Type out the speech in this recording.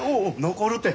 残るて。